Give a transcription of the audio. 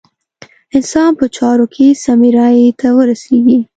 انسان په چارو کې سمې رايې ته ورسېږي.